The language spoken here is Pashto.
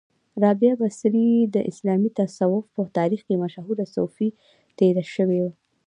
را بعه بصري د اسلامې تصوف په تاریخ کې مشهوره صوفۍ تیره شوی